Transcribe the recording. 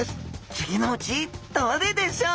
次のうちどれでしょう？